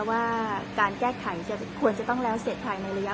ว่าการแก้ไขควรจะต้องแล้วเสร็จภายในระยะ